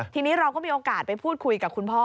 ทีนี้เราก็มีโอกาสไปพูดคุยกับคุณพ่อ